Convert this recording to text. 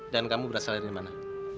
dan kamu berasal dari mana